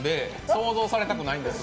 想像されたくないんです。